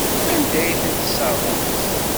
Anda ay ten-tesserɣemt?